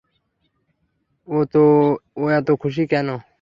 ও এতো খুশি কেন?